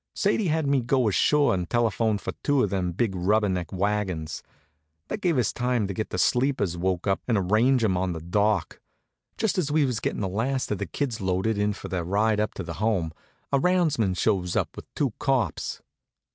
Sadie had me go ashore and telephone for two of them big rubber neck wagons. That gave us time to get the sleepers woke up and arrange 'em on the dock. Just as we was gettin' the last of the kids loaded in for their ride up to the Home, a roundsman shows up with two cops.